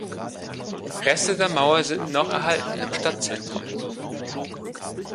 Reste der Mauer sind noch erhalten im Stadtzentrum.